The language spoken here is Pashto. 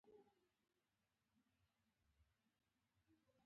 په افغانستان کې د مورغاب سیند تاریخ ډېر اوږد دی.